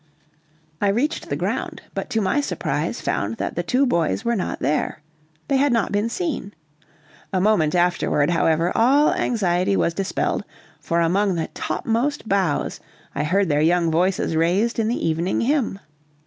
I reached the ground, but to my surprise found that the two boys were not there. They had not been seen. A moment afterward, however, all anxiety was dispelled, for among the topmost boughs I heard their young voices raised in the evening hymn.